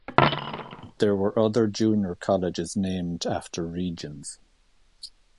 There were other junior colleges named after regions.